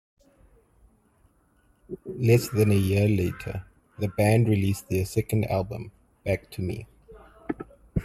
Less than a year later, the band released their second album, "Back to Me".